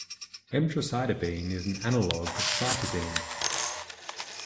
Emtricitabine is an analogue of cytidine.